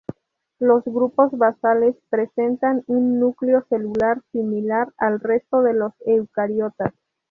Los grupos basales presentan un núcleo celular similar al resto de los eucariotas.